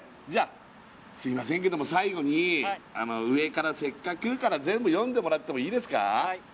じゃあすいませんけども最後に上から「せっかく」から全部読んでもらってもいいですか？